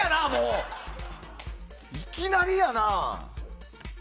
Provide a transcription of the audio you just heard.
いきなりやな！